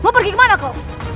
mau pergi kemana kau